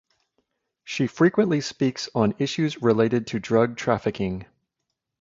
She frequently speaks on issues related to drug trafficking.